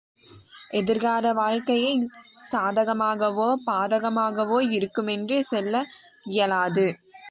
எதிர்கால வாழ்க்கை சாதகமாகவோ பாதகமாகவோ இருக்குமென்று சொல்ல இயலாது.